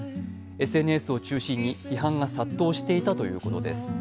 ＳＮＳを中心に批判が殺到していたということです。